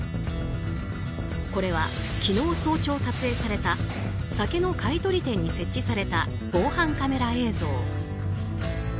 これは昨日早朝撮影された酒の買い取り店に設置された防犯カメラ映像。